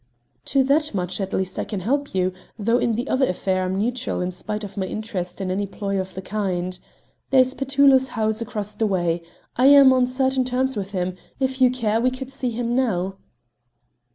"To that much at least I can help you, though in the other affair I'm neutral in spite of my interest in any ploy of the kind. There's Petullo's house across the way; I'm on certain terms with him; if you care, we could see him now."